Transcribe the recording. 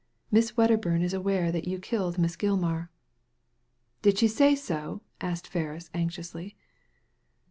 Miss Wedderbum is aware that you killed Miss Oilman" " Did she say so ?" asked Ferris, anxiously.